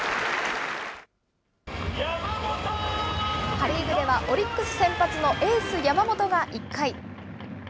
パ・リーグでは、オリックス先発のエース、山本が１回。